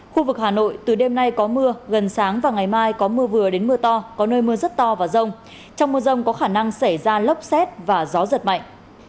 khu vực hà nội từ đêm nay có mưa gần sáng và ngày mai có mưa vừa đến mưa to có nơi mưa rất to và rông trong mưa rông có khả năng xảy ra lốc xét và gió giật mạnh